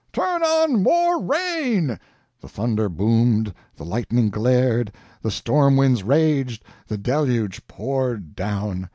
turn on more rain!" The thunder boomed, the lightning glared, the storm winds raged, the deluge poured down.